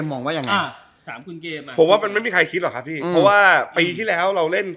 โอ้ยยยยยยยยยล้านกว่าวิว